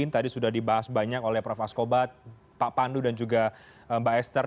tadi sudah dibahas banyak oleh prof askobat pak pandu dan juga mbak esther